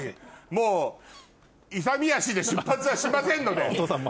もう勇み足で出発はしませんので。